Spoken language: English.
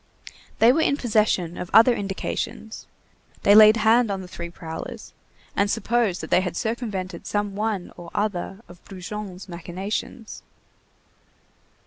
They were in possession of other indications; they laid hand on the three prowlers, and supposed that they had circumvented some one or other of Brujon's machinations.